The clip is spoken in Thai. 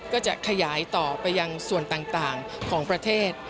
ก็จะขยายต่อไปยังส่วนต่างของประเทศ